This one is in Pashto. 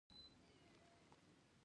په ماټلاک او سکاټلنډ کې څانګې پرانېستې.